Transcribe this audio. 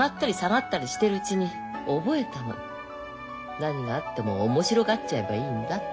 何があっても面白がっちゃえばいいんだって。